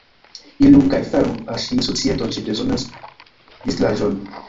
Iru kaj faru al ŝi societon; ŝi bezonas distraĵon.